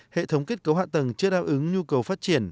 hệ thống kết cấu hạ tầng chưa đáp ứng nhu cầu phát triển